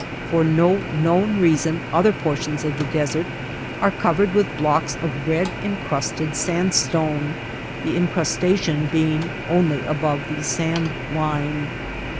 For no known reason other portions of the desert are covered with blocks of red incrusted sandstone — the incrustation being only above the sand line.